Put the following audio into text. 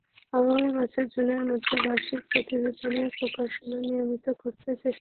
আগামী বছরের জুনের মধ্যে বার্ষিক প্রতিবেদনের প্রকাশনা নিয়মিত করতে চেষ্টা করছি।